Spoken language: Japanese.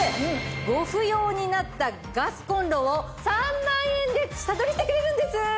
ご不要になったガスコンロを３万円で下取りしてくれるんです！